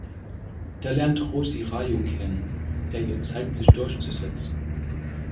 Da lernt Rosie Raju kennen, der ihr zeigt sich durchzusetzen.